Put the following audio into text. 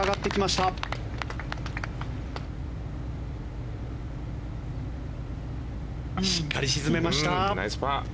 しっかり沈めました。